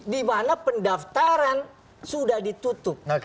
dimana pendaftaran sudah ditutup